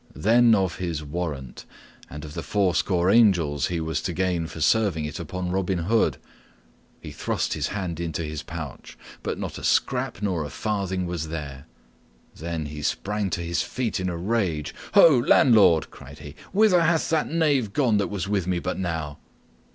Then of his warrant, and of the fourscore angels he was to gain for serving it upon Robin Hood. He thrust his hand into his pouch, but not a scrap nor a farthing was there. Then he sprang to his feet in a rage. "Ho, landlord!" cried he, "whither hath that knave gone that was with me but now?"